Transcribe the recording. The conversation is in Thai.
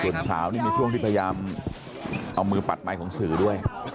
ถุงสาวนี้มันก็พยายามเอามือปัดไมค์ของสื่อด้วย